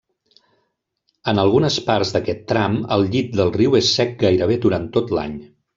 En algunes parts d'aquest tram el llit del riu és sec gairebé durant tot l'any.